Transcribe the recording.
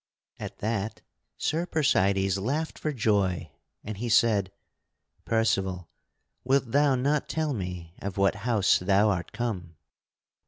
At that Sir Percydes laughed for joy and he said: "Percival, wilt thou not tell me of what house thou art come?"